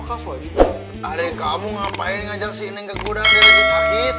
hari kamu ngapain ngajak si neng ke gudang jadi sakit